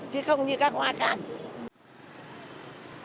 chứ không như các hoa càng